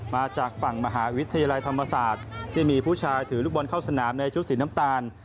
มาจากฝั่งมหาวิทยาลัยธรรมศาสตร์ที่มีผู้ชายถือลูกบอลเข้าสนามในชุดสีน้ำตาล